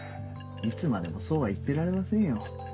いつまでもそうは言ってられませんよ。